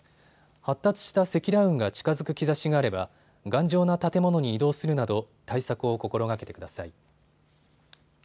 発達した積乱雲が近づく兆しがあれば頑丈な建物に移動するなど対策を心がけてください。